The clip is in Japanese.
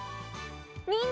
みんな！